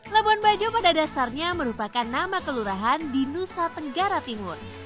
labuan bajo pada dasarnya merupakan nama kelurahan di nusa tenggara timur